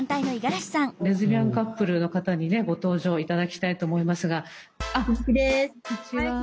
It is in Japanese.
レズビアンカップルの方にねご登場頂きたいと思いますが。